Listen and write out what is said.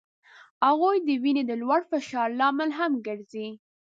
هغوی د وینې د لوړ فشار لامل هم ګرځي.